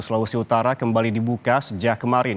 sulawesi utara kembali dibuka sejak kemarin